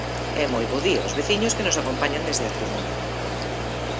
E moi bo día aos veciños que nos acompañan desde a tribuna.